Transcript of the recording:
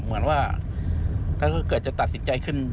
เหมือนว่าถ้าเกิดจะตัดสินใจขึ้น